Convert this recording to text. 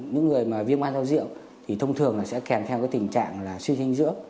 những người viên quan rau rượu thì thông thường sẽ kèm theo tình trạng suy sinh dưỡng